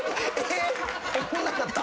おもんなかった？